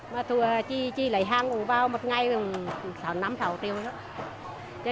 mà chị lấy hàng cũng vào một ngày năm sáu triệu rồi đó